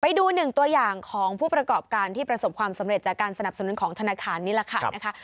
ไปดูหนึ่งตัวอย่างของผู้ประกอบการที่ประสบความสำเร็จจากการสนับสนุนของธนาคารนี่แหละค่ะนะคะ